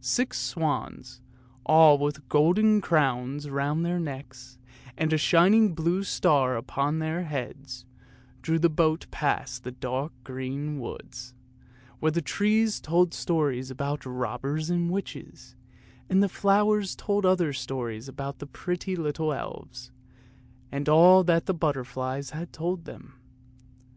Six swans, all with golden crowns round their necks, and a shining blue star upon their heads, drew the boat past the dark green woods, where the trees told stories about robbers and witches; and the flowers told other stories about the pretty little elves, and all that the butterflies had told them.